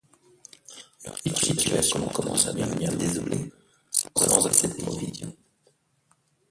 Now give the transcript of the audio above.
Leur situation commença à devenir désolée, sans assez de provisions.